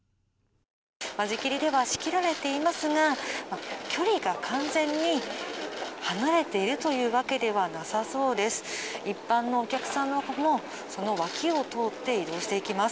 間仕切りでは仕切られていますが距離が完全に離れているというわけではなさそうです。